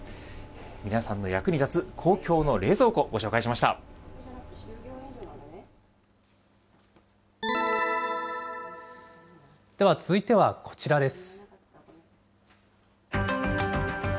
皆さんの役に立つ公共の冷蔵庫、では続いてはこちらです。